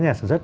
nhà sản xuất